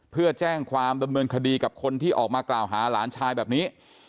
เพื่อแจ้งความดำเนินคดีกับคนที่ออกมากล่าวหาหลานชายแบบนี้